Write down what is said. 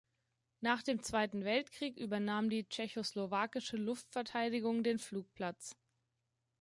Nach dem Zweiten Weltkrieg übernahm die tschechoslowakische Luftverteidigung den Flugplatz.